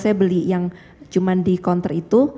saya beli yang cuma di counter itu